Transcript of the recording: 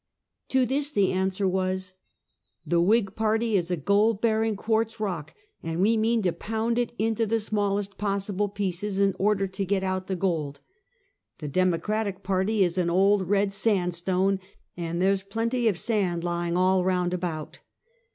To this, the answer was: "The Whig party is a gold bearing quartz rock, and we mean to pound it into the smallest possible pieces, in order to get out the gold. The Democratic party is an old red sandstone, and there is plenty of sand lying all around about."